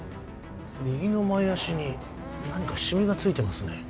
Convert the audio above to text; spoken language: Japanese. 右の前足に何かシミがついてますね